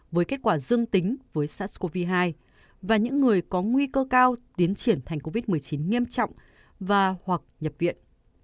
với kết quả dương tính với sars cov hai và những người có nguy cơ cao tiến triển thành covid một mươi chín nghiêm trọng và hoặc nhập viện